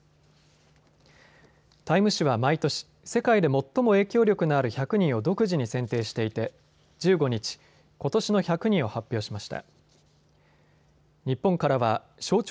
タイム誌は毎年、世界で最も影響力のある１００人を独自に選定していて１５日、ことしの１００人を発表しました。